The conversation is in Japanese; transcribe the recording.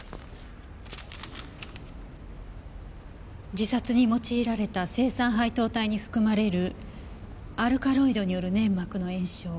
「自殺に用いられた青酸配糖体に含まれるアルカロイドによる粘膜の炎症」。